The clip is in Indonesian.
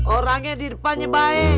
orangnya di depannya baik